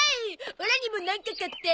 オラにもなんか買って。